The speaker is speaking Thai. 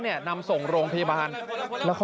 สวยสวยสวยสวยสวยสวยสวย